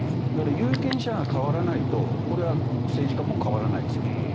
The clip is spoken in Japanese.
有権者が変わらないとこれは政治家も変わらない。